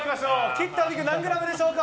切ったお肉何グラムでしょうか。